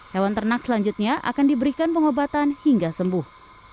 hewan ternak selanjutnya akan diberikan pengobatan hingga sembuh